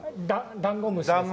ダンゴムシですね。